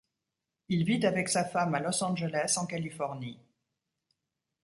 Il vit avec sa femme à Los Angeles en Californie.